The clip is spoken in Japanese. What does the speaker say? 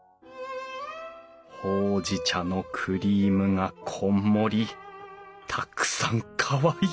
ほうじ茶のクリームがこんもりたくさんかわいい！